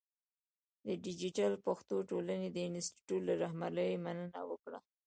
د دیجیټل پښتو ټولنې د انسټیټوت له رهبرۍ مننه وکړه.